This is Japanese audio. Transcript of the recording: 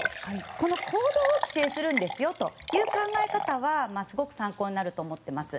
この行動を規制するんですという考え方はすごく参考になると思っています。